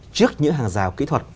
trước những hàng rào kỹ thuật